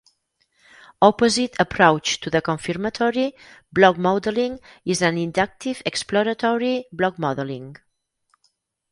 Opposite approach to the confirmatory blockmodeling is an inductive exploratory blockmodeling.